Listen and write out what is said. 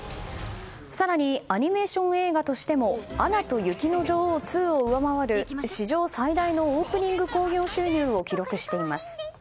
更にアニメーション映画としても「アナと雪の女王２」と上回る史上最大のオープニング興行収入を記録しています。